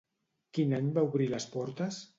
Quin any va obrir les portes?